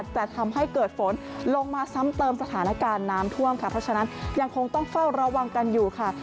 แต่ทำให้เกิดฝนลงมาซ้ำเติมสถานการณ์น้ำท่วมค่ะเพราะฉะนั้นยังคงต้องเฝ้าระวังกันอยู่ค่ะ